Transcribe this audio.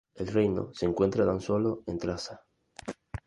El renio se encuentra tan sólo en trazas.